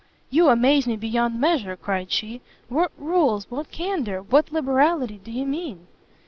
"You amaze me beyond measure!" cried she, "what rules, what candour, what liberality, do you mean?"